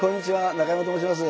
中山と申します。